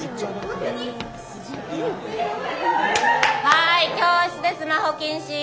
はい教室でスマホ禁止！